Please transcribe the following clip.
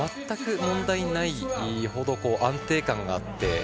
全く問題ないほど安定感があって。